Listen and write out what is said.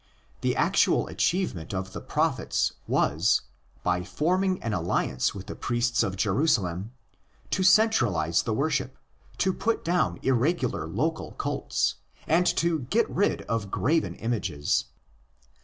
The actual achieve ment of the prophets was, by forming an alliance with the priests of Jerusalem, to centralise the worship, to put down irregular local cults, and to get rid of '' graven images.